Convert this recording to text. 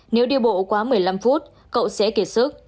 nếu đi bộ quá một mươi năm phút cậu sẽ kiệt sức